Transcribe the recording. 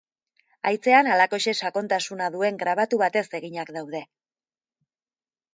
Haitzean halakoxe sakontasuna duen grabatu batez eginak daude.